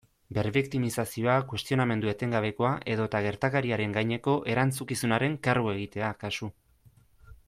Berbiktimizazioa, kuestionamendu etengabekoa edota gertakariaren gaineko erantzukizunaren kargu egitea kasu.